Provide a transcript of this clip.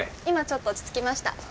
今ちょっと落ち着きました。